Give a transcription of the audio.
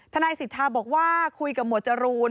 นายสิทธาบอกว่าคุยกับหมวดจรูน